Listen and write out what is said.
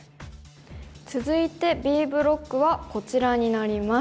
続いてＢブロックはこちらになります。